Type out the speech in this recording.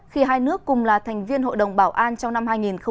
khi hai nước cùng là thành viên hội đồng bảo an trong năm hai nghìn hai mươi